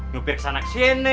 nyupir kesana kesini